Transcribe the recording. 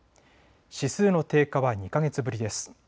指数の低下は２か月ぶりです。